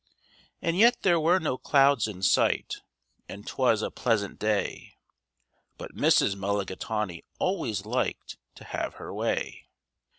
And yet there were no clouds in sight, and 'twas a pleasant day, But Mrs. Mulligatawny always liked to have her way.